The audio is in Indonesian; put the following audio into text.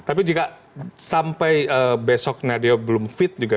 tapi jika sampai besok nadeo belum fit juga